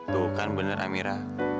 tuh kan bener amira